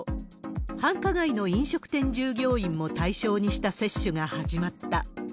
繁華街の飲食店従業員も対象にした接種が始まった。